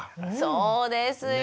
そうですよ。